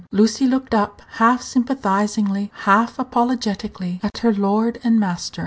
Lucy looked up, half sympathizingly, half apologetically, at her lord and master.